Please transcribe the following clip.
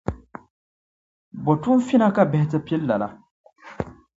Bo tuunfina ka bihi ti pili laa!